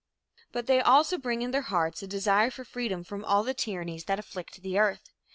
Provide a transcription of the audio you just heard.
But they also bring in their hearts a desire for freedom from all the tyrannies that afflict the earth.